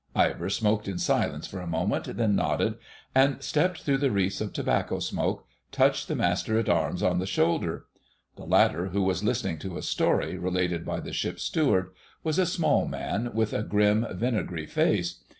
Ivor smoked in silence for a moment, then nodded, and stepping through the wreaths of tobacco smoke, touched the Master at Arms on the shoulder. The latter, who was listening to a story related by the Ship's Steward, was a small man, with a grim vinegary face.